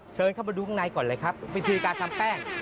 เชิญเข้ามาดูข้างในก่อนเลยครับวิธีการทำแป้ง